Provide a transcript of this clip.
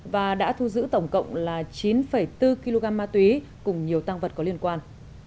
và đã thu giữ tổng cộng là chín bốn kg ma túy cùng nhiều tăng vật có liên quan